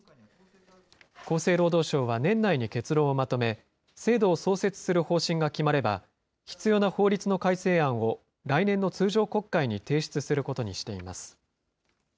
厚生労働省は年内に結論をまとめ、制度を創設する方針が決まれば、必要な法律の改正案を来年の通常国会に提出することにしています。